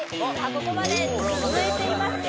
ここまで続いていますよ